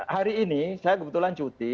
hari ini saya kebetulan cuti